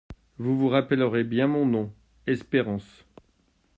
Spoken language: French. Vous vous rappellerez bien mon nom : Espérance.